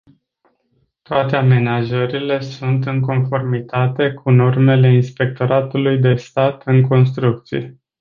Toate amenajările sunt în conformitate cu normele inspectoratului de stat în construcții.